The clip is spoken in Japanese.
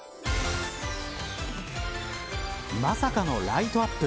まさかのライトアップ。